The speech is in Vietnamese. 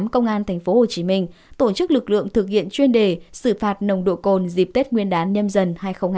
công an tp hcm tổ chức lực lượng thực hiện chuyên đề xử phạt nồng độ cồn dịp tết nguyên đán nhâm dần hai nghìn hai mươi bốn